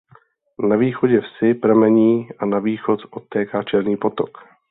Na východě vsi pramení a na východ odtéká "Černý potok".